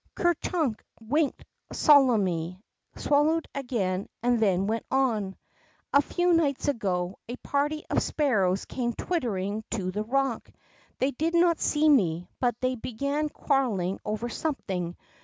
'' Ker Chnnk winked solemnly, swallowed again, then went on : A few nights ago, a party of sparrows came twittering to the rock; they did not see me, but they began quarreling over something.